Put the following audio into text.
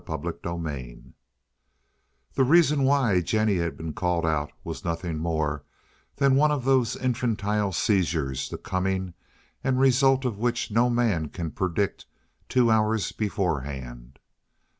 CHAPTER XXIX The reason why Jennie had been called was nothing more than one of those infantile seizures the coming and result of which no man can predict two hours beforehand.